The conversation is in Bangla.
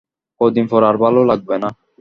কদিন পর আর ভালো লাগবে না।